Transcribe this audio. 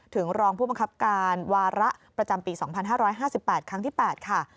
ถึงรองผู้บังคับการวาระประจำปี๒๕๕๘ครั้งที่๘ค่ะ